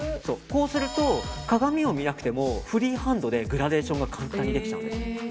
こうすると、鏡を見なくてもフリーハンドでグラデーションが簡単にできちゃうんです。